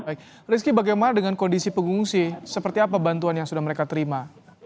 baik rizky bagaimana dengan kondisi pengungsi seperti apa bantuan yang sudah mereka terima